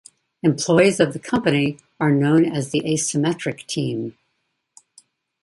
Employees of the company are known as the Asymmetric Team.